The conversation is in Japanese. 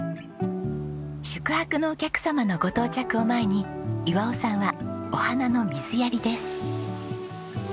宿泊のお客様のご到着を前に岩男さんはお花の水やりです。